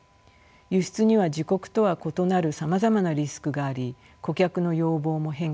輸出には自国とは異なるさまざまなリスクがあり顧客の要望も変化します。